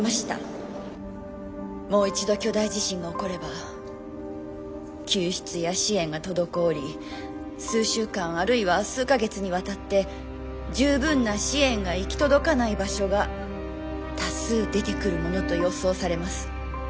もう一度巨大地震が起これば救出や支援が滞り数週間あるいは数か月にわたって十分な支援が行き届かない場所が多数出てくるものと予想されます。